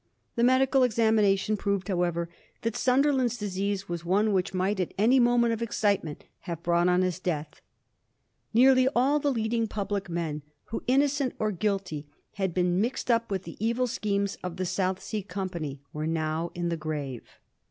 The medical examination proved, however, that Sunderland's disease was one which might at any moment of excitement have brought on his death. Nearly all the leading public men who, innocent or guilty, had been mixed up with the evil schemes of the South Sea Company were now in the grave.